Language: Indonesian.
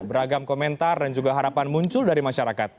beragam komentar dan juga harapan muncul dari masyarakat